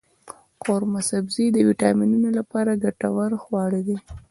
قورمه سبزي د ویټامینونو لپاره ګټور خواړه دی.